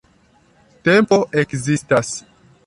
Tempo ekzistas!